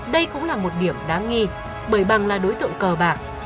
đây cũng là một điểm đáng nghi bởi bằng là đối tượng cờ bạc